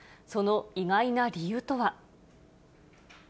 その意外な理由とは。